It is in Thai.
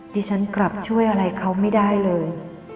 ดิฉันกลับช่วยอะไรเขาไม่ได้เลย